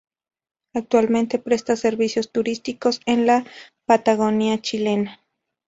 Actualmente presta servicios turísticos en la Patagonia chilena.